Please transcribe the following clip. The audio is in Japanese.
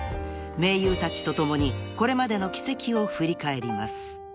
［盟友たちと共にこれまでの軌跡を振り返ります］